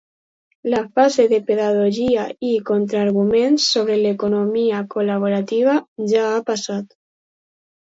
La fase de pedagogia i contraarguments sobre l’economia col·laborativa ja ha passat.